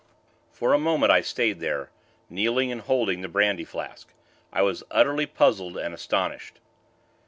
For a moment, I stayed there kneeling and holding the brandy flask. I was utterly puzzled and astonished.